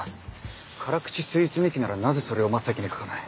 辛口スイーツ日記ならなぜそれを真っ先に書かない。